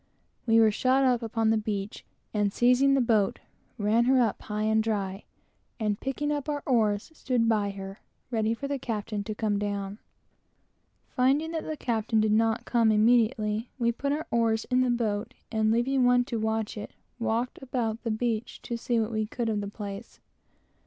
We were shot up upon the beach like an arrow from a bow, and seizing the boat, ran her up high and dry, and soon picked up our oars, and stood by her, ready for the captain to come down. Finding that the captain did not come immediately, we put our oars in the boat, and leaving one to watch it, walked about the beach to see what we could, of the place.